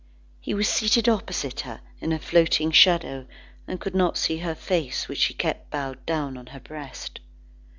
He was seated opposite her, in a floating shadow, and could not see her face which she kept bowed down on her breast.